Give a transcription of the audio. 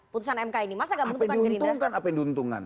putusan mk ini masa gak menguntungkan apa yang diuntungkan